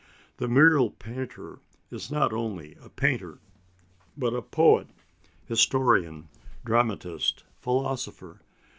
The mural painter is not only a painter, but a poet, historian, dramatist, philosopher.